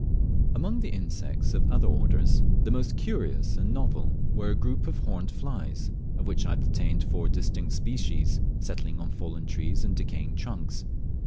Among the insects of other orders, the most curious and novel were a group of horned flies, of which I obtained four distinct species, settling on fallen trees and decaying trunks.